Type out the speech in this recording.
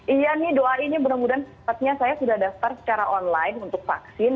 iya nih doa ini mudah mudahan sepertinya saya sudah daftar secara online untuk vaksin